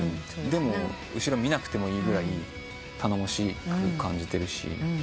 でも後ろ見なくてもいいぐらい頼もしく感じてるし。